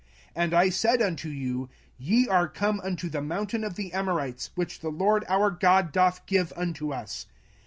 05:001:020 And I said unto you, Ye are come unto the mountain of the Amorites, which the LORD our God doth give unto us.